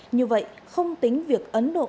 như vậy không tính việc ấn độ